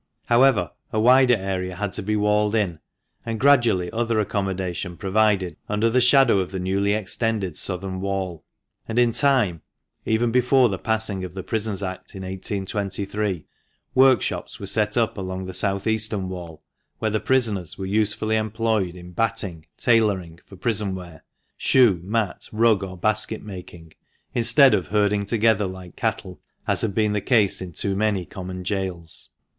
However, a wider area had to be walled in, and gradually other accommodation provided under the shadow of the newly extended southern wall. And in time, even before the passing of the Prisons Act in 1823, workshops were set up along the south eastern wall, where the prisoners were usefully employed in batting, tailoring (for prison wear), shoe, mat, rug, or basket making, instead of herding together like cattle, as had been the case in too many common gaols.